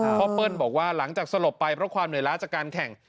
เปิ้ลบอกว่าหลังจากสลบไปเพราะความเหนื่อยล้าจากการแข่ง